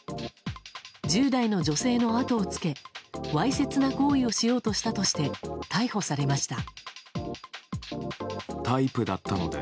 １０代の女性のあとをつけわいせつな行為をしようとしたとして逮捕されました。